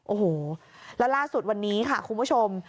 โอ้โหแล้วล่าสุดวันนี้ค่ะคุณผู้ชม